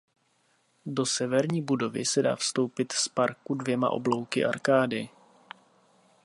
Do severní budovy se dá vstoupit z parku dvěma oblouky arkády.